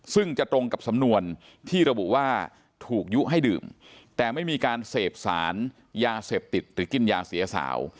ซึ่งจะตรงกับสำนวนที่ระบุว่าถูกยุให้ดื่มแต่ไม่มีการเสพสารยาเสพติดหรือกินยาเสียสาว